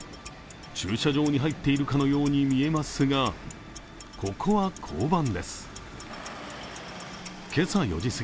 駐車場に入っているかのように見えますが、ここは交番です。